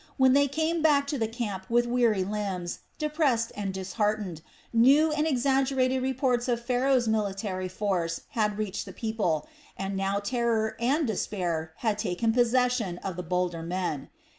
When they came back to the camp with weary limbs, depressed and disheartened, new and exaggerated reports of Pharaoh's military force had reached the people, and now terror and despair had taken possession of the bolder men.